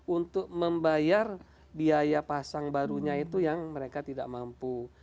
untuk membayar biaya pasang barunya itu yang mereka tidak mampu